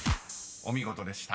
［お見事でした。